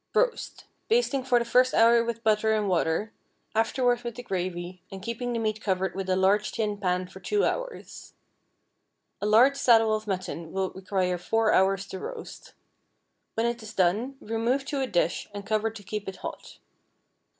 Roast—basting for the first hour with butter and water; afterward with the gravy, and keeping the meat covered with a large tin pan for two hours. A large saddle of mutton will require four hours to roast. When it is done, remove to a dish, and cover to keep it hot.